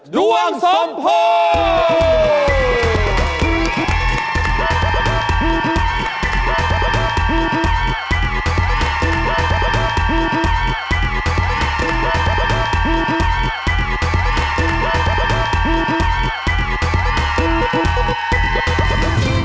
ดวงสมโพธิ์